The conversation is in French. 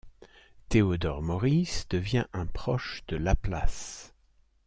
Théodore Maurice devient un proche de Laplace.